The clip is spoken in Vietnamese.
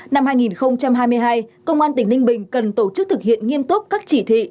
năm hai nghìn hai mươi hai công an tỉnh ninh bình cần tổ chức thực hiện nghiêm túc các chỉ thị